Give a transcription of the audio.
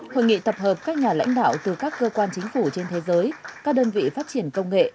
hội nghị tập hợp các nhà lãnh đạo từ các cơ quan chính phủ trên thế giới các đơn vị phát triển công nghệ